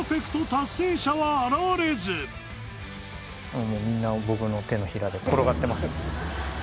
いまだもうみんな僕の手のひらで転がってます